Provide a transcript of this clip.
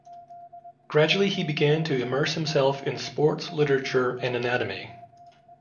Gradually he began to immerse himself in sports literature and anatomy.